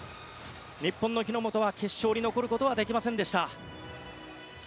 日本の日本は決勝に残ることはできませんでした。